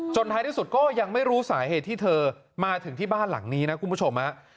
ท้ายที่สุดก็ยังไม่รู้สาเหตุที่เธอมาถึงที่บ้านหลังนี้นะคุณผู้ชมฮะ